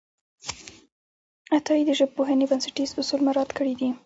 عطایي د ژبپوهنې بنسټیز اصول مراعت کړي دي.